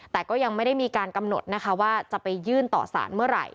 แต่ก็ยังไม่ได้มีการกำหนดนะคะว่าจะไปยื่นต่อสารเมื่อไหร่